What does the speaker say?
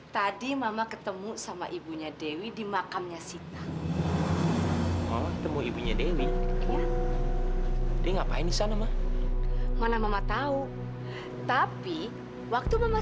sampai jumpa di video selanjutnya